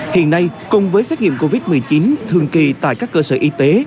hiện nay cùng với xét nghiệm covid một mươi chín thường kỳ tại các cơ sở y tế